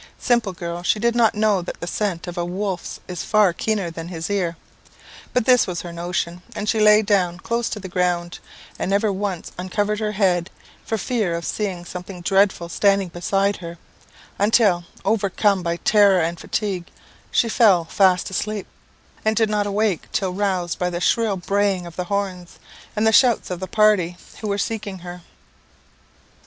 Simple girl! she did not know that the scent of a wolf is far keener than his ear; but this was her notion, and she lay down close to the ground and never once uncovered her head, for fear of seeing something dreadful standing beside her; until, overcome by terror and fatigue, she fell fast asleep, and did not awake till roused by the shrill braying of the horns, and the shouts of the party who were seeking her."